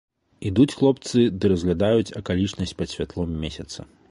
Ідуць хлопцы ды разглядаюць акалічнасць пад святлом месяца.